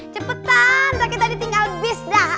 cepetan tapi tadi tinggal bis dah